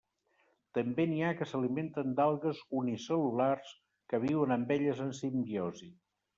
També n'hi ha que s'alimenten d'algues unicel·lulars que viuen amb elles en simbiosi.